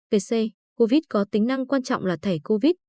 về c covid có tính năng quan trọng là thẻ covid